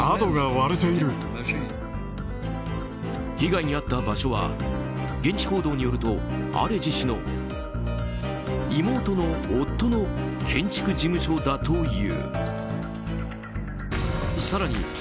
被害に遭った場所は現地報道によるとアレジ氏の妹の夫の建築事務所だという。